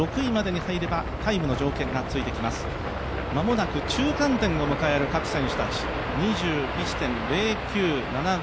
間もなく中間点を迎える各選手たち、２１．０９７５。